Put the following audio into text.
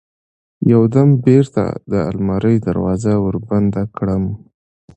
يو دم بېرته د المارى دروازه وربنده کړم.